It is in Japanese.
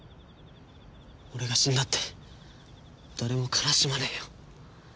俺が死んだって誰も悲しまねえよ。